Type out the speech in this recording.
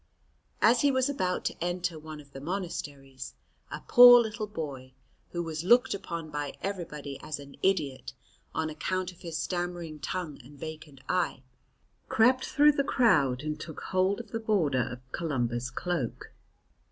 As he was about to enter one of the monasteries, a poor little boy, who was looked upon by everybody as an idiot on account of his stammering tongue and vacant eye, crept through the crowd and took hold of the border of Columba's cloak.